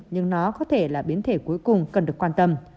nhưng nó có thể là biến thể cuối cùng cần được quan tâm